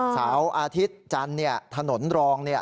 สาวอาทิตย์จันทร์ถนนรองเนี่ย